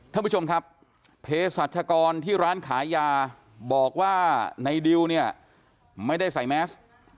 ท่านผู้ชมครับเพศรัชกรที่ร้านขายยาบอกว่าในดิวเนี่ยไม่ได้ใส่แมส